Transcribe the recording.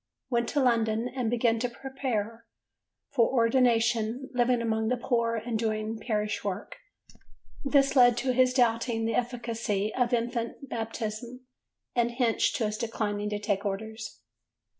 Went to London and began to prepare for ordination, living among the poor and doing parish work: this led to his doubting the efficacy of infant baptism and hence to his declining to take orders.